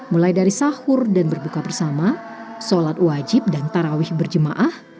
mulai dari sahur dan berbuka bersama sholat wajib dan tarawih berjemaah